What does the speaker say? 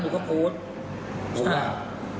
หนูก็โพสต์ใช่หนูต้องการ